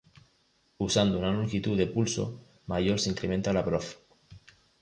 Usando una longitud de pulso mayor se incrementa la prof.